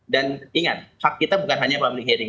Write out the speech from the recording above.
dan ingat hak kita bukan hanya public hearing